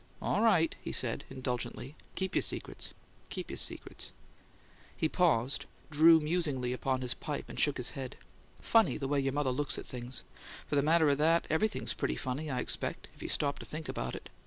"All right," he said, indulgently. "Keep your secrets; keep your secrets." He paused, drew musingly upon his pipe, and shook his head. "Funny the way your mother looks at things! For the matter o' that, everything's pretty funny, I expect, if you stop to think about it.